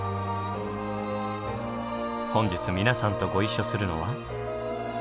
本日皆さんとご一緒するのは。